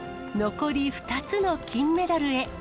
残り２つの金メダルへ。